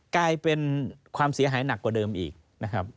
กลายเป็นความเสียหายหนักกว่าเดิมอีกนะครับ